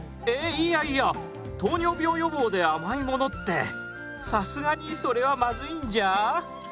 いやいや糖尿病予防で甘いものってさすがにそれはまずいんじゃ？